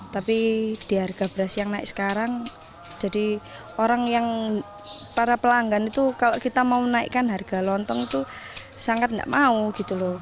tapi di harga beras yang naik sekarang jadi orang yang para pelanggan itu kalau kita mau naikkan harga lontong itu sangat nggak mau gitu loh